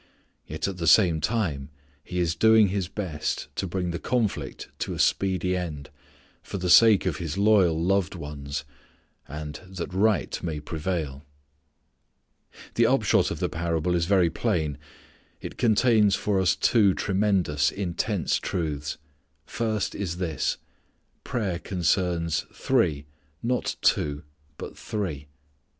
Yet at the same time He is doing His best to bring the conflict to a speedy end, for the sake of His loyal loved ones, and that right may prevail. The upshot of the parable is very plain. It contains for us two tremendous, intense truths. First is this: prayer concerns three, not two but three.